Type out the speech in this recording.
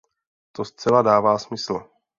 To zcela dává smysl.